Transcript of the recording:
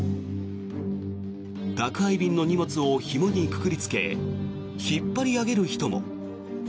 宅配便の荷物をひもにくくりつけ引っ張り上げる人も。